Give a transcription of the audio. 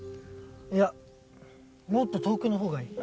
いやもっと遠くのほうがいい。